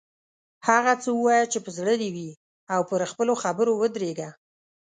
هغه څه ووایه چې په زړه دې وي او پر خپلو خبرو ودریږه.